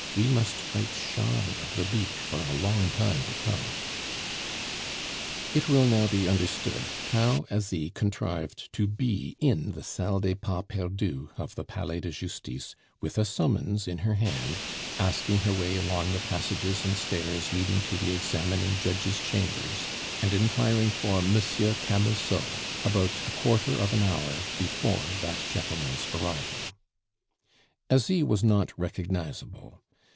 We must fight shy of the beak for a long time to come." It will now be understood how Asie contrived to be in the Salle des Pas Perdus of the Palais de Justice with a summons in her hand, asking her way along the passages and stairs leading to the examining judge's chambers, and inquiring for Monsieur Camusot, about a quarter of an hour before that gentleman's arrival. Asie was not recognizable.